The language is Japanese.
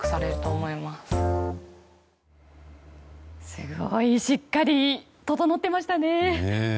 すごいしっかり整ってましたね。